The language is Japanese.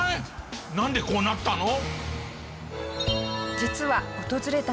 なんでこうなったの？